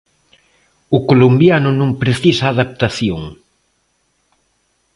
O colombiano non precisa adaptación.